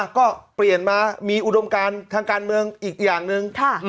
ก็เปลี่ยนมามีอุดมการทางการเมืองอีกอย่างหนึ่ง